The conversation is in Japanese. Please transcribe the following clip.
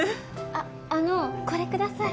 あっあのこれください。